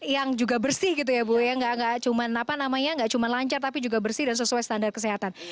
yang juga bersih gitu ya bu ya nggak cuma apa namanya nggak cuma lancar tapi juga bersih dan sesuai standar kesehatan